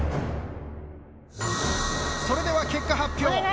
それでは結果発表。